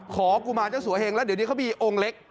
กุมารเจ้าสัวเฮงแล้วเดี๋ยวนี้เขามีองค์เล็ก